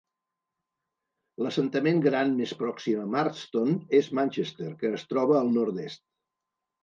L'assentament gran més pròxim a Marston és Manchester, que es troba al nord-est.